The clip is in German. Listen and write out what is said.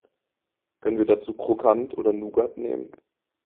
Können wir dazu Krokant oder Nougat nehmen?